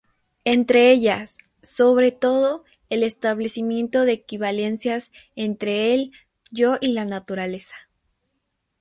Entre ellas, sobre todo, el establecimiento de equivalencias entre el yo y la naturaleza.